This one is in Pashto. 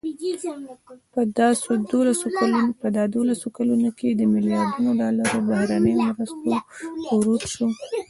په دا دولسو کلونو کې ملیاردونو ډالرو بهرنیو مرستو ورود شو.